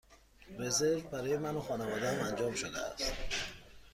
رزرو برای من و خانواده ام انجام شده است.